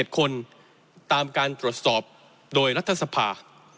๗คนตามการตรวจสอบโดยรัฐสภา